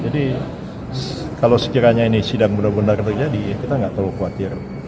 kalau sekiranya ini sidang benar benar terjadi kita nggak terlalu khawatir